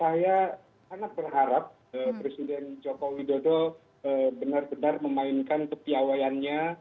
saya sangat berharap presiden joko widodo benar benar memainkan kepiawayannya